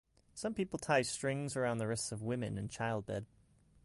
Some people tie strings around the wrists of women in childbed.